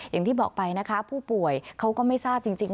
อย่างที่บอกไปนะคะผู้ป่วยเขาก็ไม่ทราบจริง